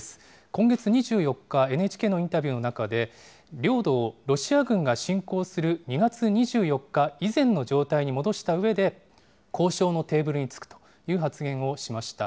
今月２４日、ＮＨＫのインタビューの中で、領土をロシア軍が侵攻する２月２４日以前の状態に戻したうえで、交渉のテーブルに着くという発言をしました。